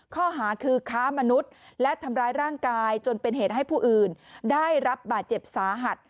ข้อหาคือค้ามนุษย์และทำร้ายร่างกายจนเป็นเหตุให้ผู้อื่นได้รับบาดเจ็บสาหัส